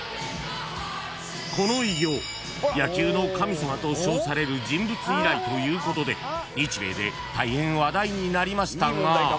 ［この偉業野球の神様と称される人物以来ということで日米で大変話題になりましたが］